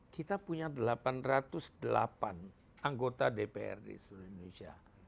kita punya delapan ratus delapan anggota dprd seluruh indonesia